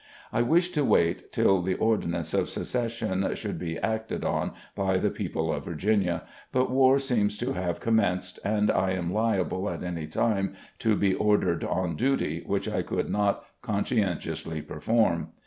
I wished to wait till the Ordinance of Secession should be acted on by the people of Virginia ; but war seems to have commenced, and I am liable at any time to be ordered on duty which I could not con scientiously perform.